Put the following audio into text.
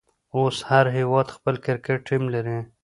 اوس هر هيواد خپل کرکټ ټيم لري.